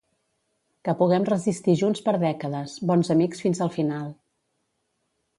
Que puguem resistir junts per dècades, bons amics fins el final.